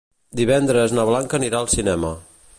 Divendres na Blanca anirà al cinema.